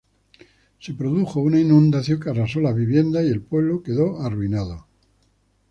Se produjo una inundación que arrasó las viviendas y el pueblo quedó arruinado.